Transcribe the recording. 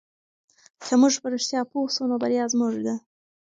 که موږ په رښتیا پوه سو نو بریا زموږ ده.